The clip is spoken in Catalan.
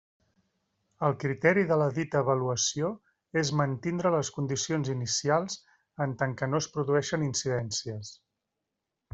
El criteri de la dita avaluació és mantindre les condicions inicials, en tant que no es produïxen incidències.